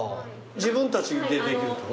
自分たちでできると。